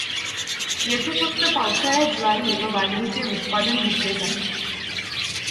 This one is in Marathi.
येथे फक्त पावसाळ्यात ज्वारी व बाजरीचे उत्पादन घेतले जाते.